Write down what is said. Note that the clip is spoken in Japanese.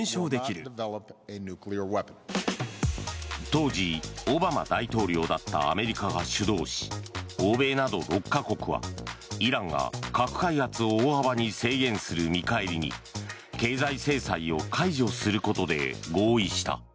当時、オバマ大統領だったアメリカが主導し欧米など６か国はイランが核開発を大幅に制限する見返りに経済制裁を解除することで合意した。